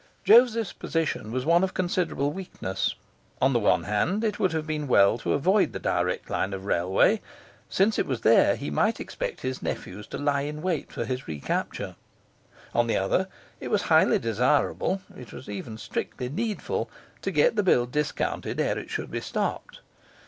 Joseph's position was one of considerable weakness. On the one hand, it would have been well to avoid the direct line of railway, since it was there he might expect his nephews to lie in wait for his recapture; on the other, it was highly desirable, it was even strictly needful, to get the bill discounted ere it should be stopped.